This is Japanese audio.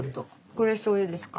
これしょうゆですか？